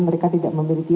mereka tidak memiliki